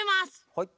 はい。